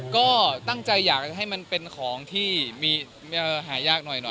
ก็ตั้งใจอยากให้มันแบบเป็นของที่อาย้ากหน่อยน่ะ